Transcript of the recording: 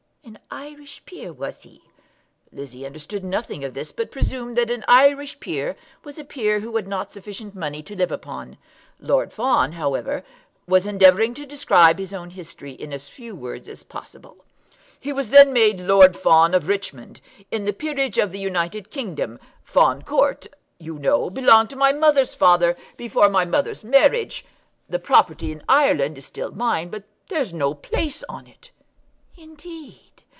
"An Irish peer, was he?" Lizzie understood nothing of this, but presumed that an Irish peer was a peer who had not sufficient money to live upon. Lord Fawn, however, was endeavouring to describe his own history in as few words as possible. "He was then made Lord Fawn of Richmond, in the peerage of the United Kingdom. Fawn Court, you know, belonged to my mother's father before my mother's marriage. The property in Ireland is still mine, but there's no place on it." "Indeed!"